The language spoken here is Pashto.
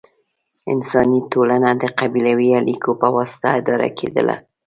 انساني ټولنه د قبیلوي اړیکو په واسطه اداره کېدله.